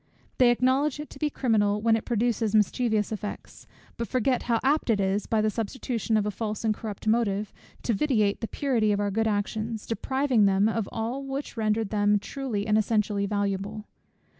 They acknowledge it to be criminal when it produces mischievous effects, but forget how apt it is, by the substitution of a false and corrupt motive, to vitiate the purity of our good actions, depriving them of all which rendered them truly and essentially valuable.